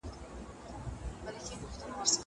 بې پردې او بې عزته